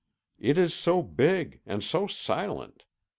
"It is so big—and so silent.